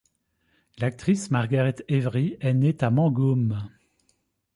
L’actrice Margaret Avery est née à Mangum.